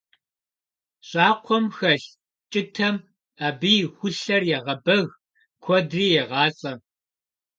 Щӏакхъуэм хэлъ кӀытэм абы и хулъэр егъэбэг, куэдри егъалӀэ.